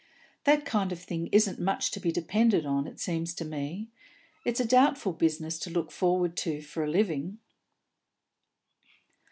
"That kind of thing isn't much to be depended on, it seems to me. It's a doubtful business to look forward to for a living."